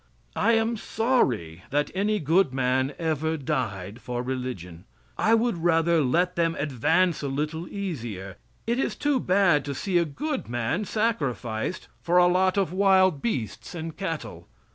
I am sorry that any good man ever died for religion. I would rather let them advance a little easier. It is too bad to see a good man sacrificed for a lot of wild beasts and cattle.